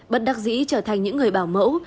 bật đặc dĩ trở thành những người bảo mẫu